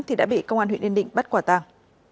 thì đã bị công an huyện yên định bắt quả tàng